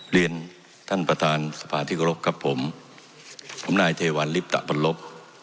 เรียนท่านประธานสภาธิกรกครับผมผมนายเทวันริปตะประลบ